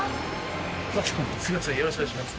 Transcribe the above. お母さんよろしくお願いします。